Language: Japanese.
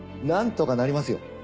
なんとかなりますよ